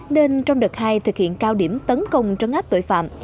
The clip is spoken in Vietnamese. nên trong đợt hai thực hiện cao điểm tấn công trấn áp tội phạm